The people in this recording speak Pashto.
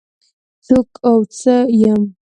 څوک او څه يم؟